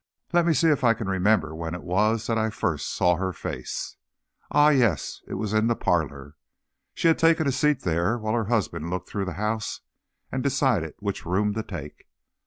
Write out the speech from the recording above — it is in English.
Let me see if I can remember when it was that I first saw her face. Ah, yes; it was in the parlor. She had taken a seat there while her husband looked through the house and decided which room to take.